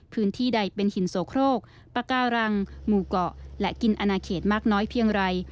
พื้นที่ใดเป็นหินโสโครกปาการังหมู่เกาะและกินอนาเขตมากน้อยเพียงไร